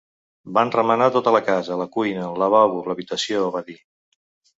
Van remenar tota la casa: la cuina, el lavabo, l’habitació…, va dir.